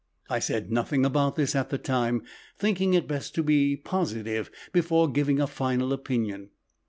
I said nothing about this at the time, thinking it best to be positive before giving a final opinion.